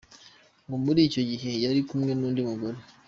Ngo muri icyo gihe yari kumwe n’undi mugore.